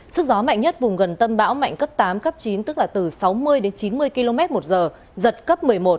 sức gió mạnh nhất vùng gần tâm bão mạnh cấp tám cấp chín tức là từ sáu mươi đến chín mươi km một giờ giật cấp một mươi một